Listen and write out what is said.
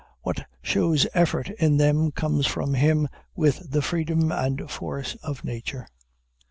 What shows effort in them comes from him with the freedom and force of nature.